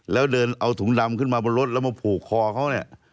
แล้วเดินเอาถุงดำขึ้นมาบนรถแล้วมาผูกคอเขาเนี่ย